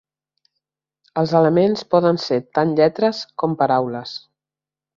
Els elements poden ser tant lletres com paraules.